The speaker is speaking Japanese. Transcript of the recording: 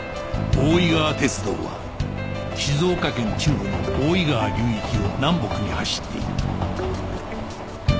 大井川鐵道は静岡県中部の大井川流域を南北に走っている